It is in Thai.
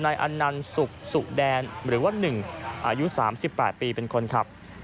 อันนันสุกสุแดนหรือว่า๑อายุ๓๘ปีเป็นคนขับ